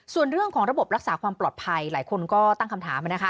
ส่วนเรื่องของระบบรักษาความปลอดภัยหลายคนก็ตั้งคำถามนะคะ